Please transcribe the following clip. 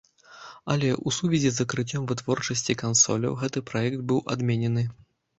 Але ў сувязі з закрыццём вытворчасці кансоляў, гэты праект быў адменены.